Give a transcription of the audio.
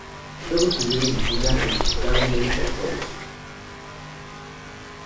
Luego estudió medicina en Chicago Medical College.